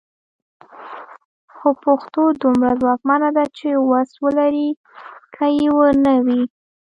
خو پښتو دومره ځواکمنه ده چې وس ولري که یې نه وي.